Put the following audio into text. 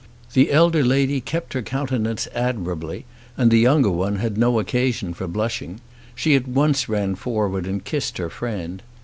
The elder lady kept her countenance admirably, and the younger one had no occasion for blushing. She at once ran forward and kissed her friend.